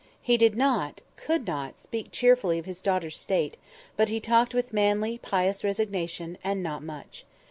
He did not—could not—speak cheerfully of his daughter's state, but he talked with manly, pious resignation, and not much.